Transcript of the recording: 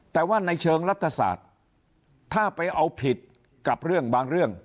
แต่ว่าในเชิงรัฐศาสตร์ถ้าไปเอาผิดกับเรื่องบางเรื่อง